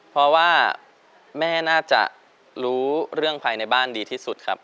เพราะว่าแม่น่าจะรู้เรื่องภายในบ้านดีที่สุดครับ